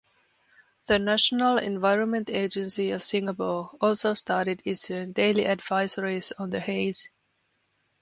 The National Environment Agency of Singapore also started issuing daily advisories on the haze.